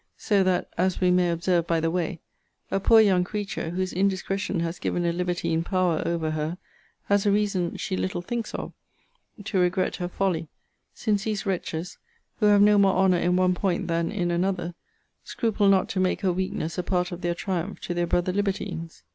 So that (as we may observe by the way) a poor young creature, whose indiscretion has given a libertine power over her, has a reason she little thinks of, to regret her folly; since these wretches, who have no more honour in one point than in another, scruple not to make her weakness a part of their triumph to their brother libertines.